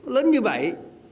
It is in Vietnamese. lớn như vậy